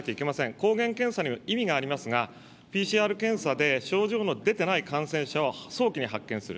抗原検査には意味がありますが、ＰＣＲ検査で症状の出てない感染者を早期に発見する。